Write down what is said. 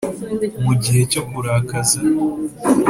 Mu gihe cyo kurakaza